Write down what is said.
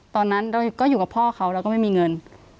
ตอนนั้นเราก็อยู่กับพ่อเขาแล้วก็ไม่มีเงิน